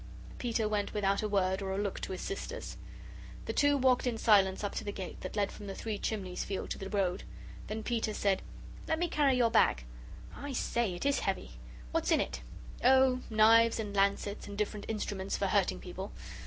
Peter went without a word or a look to his sisters. The two walked in silence up to the gate that led from the Three Chimneys field to the road. Then Peter said: "Let me carry your bag. I say, it is heavy what's in it?" "Oh, knives and lancets and different instruments for hurting people.